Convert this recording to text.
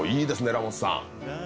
ラモスさん。